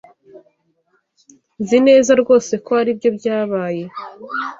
Nzi neza rwose ko aribyo byabaye.